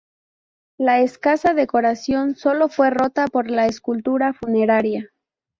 La escasa decoración solo fue rota por la escultura funeraria.